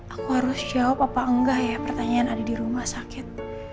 aku harus jawab apa enggak ya pertanyaan ada di rumah sakit